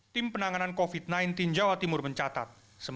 tim penanganan covid sembilan belas jawa timur mencatat